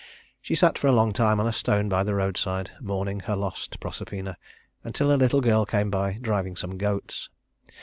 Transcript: She sat for a long time on a stone by the roadside, mourning her lost Proserpina, until a little girl came by, driving some goats.